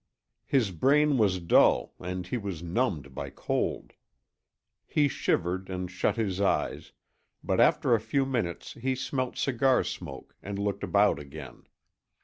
His brain was dull and he was numbed by cold. He shivered and shut his eyes, but after a few minutes he smelt cigar smoke and looked about again.